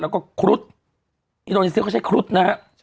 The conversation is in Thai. แล้วก็ครุฑอินโดนีเซียเขาใช้ครุฑนะฮะ